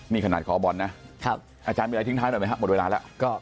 นี่ขนาดขอบอลนะอาจารย์มีอะไรทิ้งท้ายหน่อยไหมครับหมดเวลาแล้ว